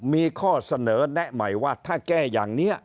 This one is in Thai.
มีข้อเสนอแนะใหม่ว่าถ้าแก้อย่างนี้